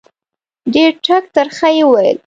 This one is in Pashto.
ډېر ټک ترخه یې وویل.